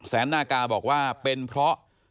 นากาบอกว่าเป็นเพราะ